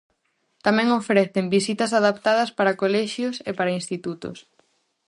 Tamén ofrecen visitas adaptadas para colexios e para institutos.